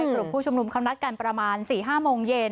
เพราะผู้ชมนุมคำนัดกันประมาณ๔๕โมงเย็น